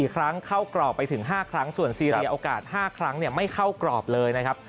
๔ครั้งเข้ากรอบไปถึง๕ครั้งส่วนซีเรียโอกาส๕ครั้งไม่เข้ากรอบเลยนะครับ